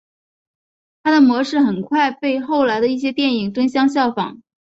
它的模式很快被后来的一些电影争相效仿。